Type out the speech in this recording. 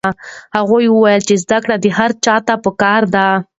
هغه وویل چې زده کړه هر چا ته پکار ده.